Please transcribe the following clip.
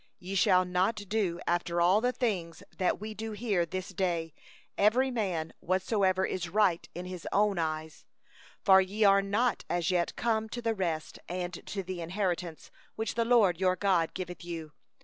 8Ye shall not do after all that we do here this day, every man whatsoever is right in his own eyes; 9for ye are not as yet come to the rest and to the inheritance, which the LORD your God giveth thee.